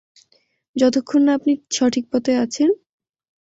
যতক্ষণ না আপনি সঠিক পথে আছেন।